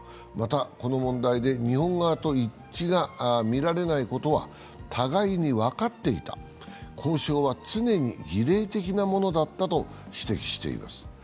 また、この問題で日本側と一致が見られないことは互いに分かっていた、交渉は常に儀礼的なものだったと指摘しています。